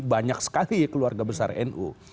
banyak sekali ya keluarga besar nu